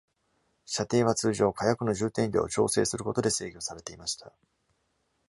射程は通常、火薬の充填量を調整することで制御されていました。